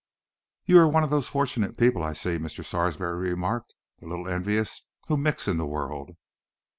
"You are one of those fortunate people, I see," Mr. Sarsby remarked, a little enviously, "who mix in the world."